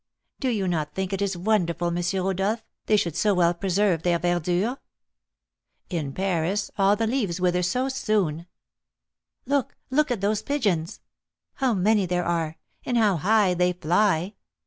Do not you think it is wonderful, M. Rodolph, they should so well preserve their verdure? In Paris, all the leaves wither so soon. Look! look at those pigeons! how many there are! and how high they fly!